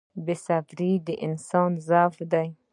• بې صبري د انسان ضعف دی.